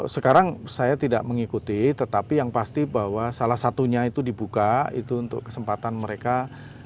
sekarang saya tidak mengikuti tetapi yang pasti bahwa salah satunya itu dibuka itu untuk kesempatan mereka menginvestasikan jalur yang ada di sulawesi mbak desi